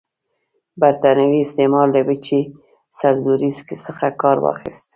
برټانوي استعمار له وچې سرزورۍ څخه کار واخیست.